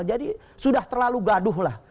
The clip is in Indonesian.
jadi sudah terlalu gaduh lah